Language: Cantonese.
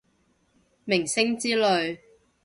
明星之類